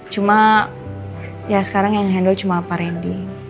cuma ya sekarang yang handle cuma pak rendy